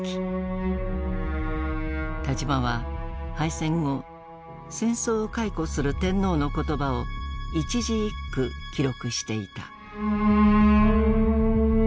田島は敗戦後戦争を回顧する天皇の言葉を一字一句記録していた。